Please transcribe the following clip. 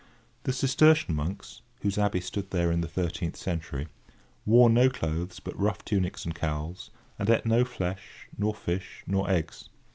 The Cistercian monks, whose abbey stood there in the thirteenth century, wore no clothes but rough tunics and cowls, and ate no flesh, nor fish, nor eggs.